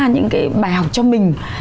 những cái bài học cho mình